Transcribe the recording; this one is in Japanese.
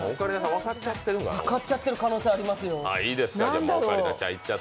分かっちゃってる可能性ありますよ。